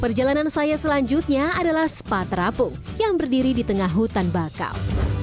perjalanan saya selanjutnya adalah spa terapung yang berdiri di tengah hutan bakau